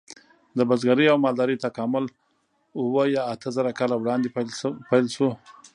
د بزګرۍ او مالدارۍ تکامل اوه یا اته زره کاله وړاندې پیل شو.